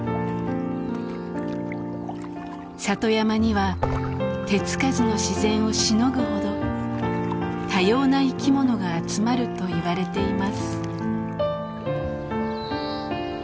里山には手付かずの自然をしのぐほど多様な生き物が集まるといわれています。